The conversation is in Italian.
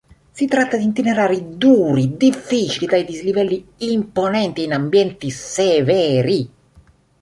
Si tratta di itinerari duri, difficili, dai dislivelli imponenti e in ambienti severi.